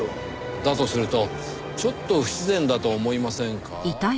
だとするとちょっと不自然だと思いませんか？